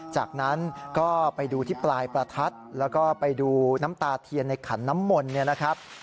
จากนั้นก็ไปดูที่ปลายประทัดแล้วก็ไปดูน้ำตาเทียนในขันน้ำมนต์เนี่ยนะครับ